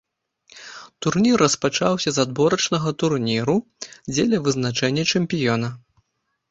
Турнір распачаўся з адборачнага турніру, дзеля вызначэння чэмпіёна.